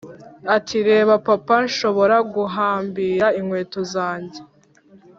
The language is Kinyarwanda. ati: "reba, papa, nshobora guhambira inkweto zanjye!